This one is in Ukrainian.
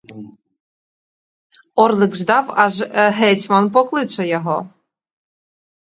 Орлик ждав, аж гетьман покличе його.